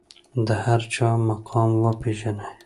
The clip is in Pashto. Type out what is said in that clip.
د هر چا مقام وپیژنئ.